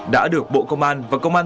đã được bộ công an và công an